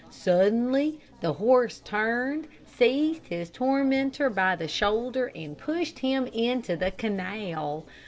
Suddenly the horse turned, seized his tormentor by the shoulder, and pushed him into the canal.